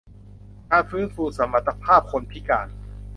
การฟื้นฟูสมรรถภาพคนพิการ